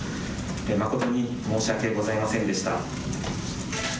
誠に申し訳ございませんでした。